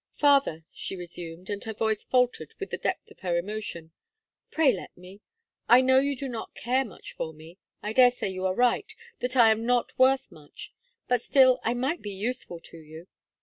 "Father," she resumed, and her voice faltered with the depth of her emotion, "pray let me. I know you do not care much for me. I dare say you are right, that I am not worth much; but still I might be useful to you.